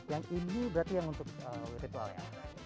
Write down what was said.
yang ini berarti yang untuk virtual ya